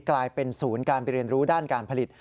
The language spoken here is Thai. กลายเป็นศูนย์การไปเรียนรู้ด้านการผลิต